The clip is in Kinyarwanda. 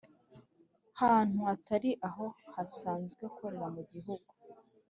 hantu hatari aho asanzwe akorera mu gihugu